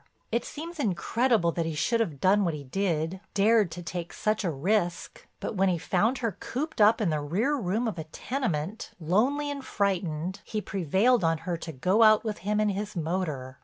"It seems incredible that he should have done what he did, dared to take such a risk. But when he found her cooped up in the rear room of a tenement, lonely and frightened, he prevailed on her to go out with him in his motor.